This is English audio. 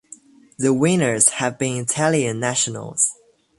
The winners have been Italian nationals.